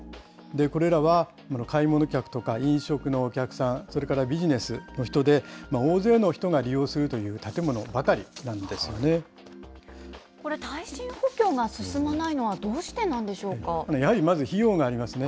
これらは買い物客とか飲食のお客さん、それからビジネスの人で、大勢の人が利用するという建物ばかりなこれ、耐震補強が進まないのやはりまず費用がありますね。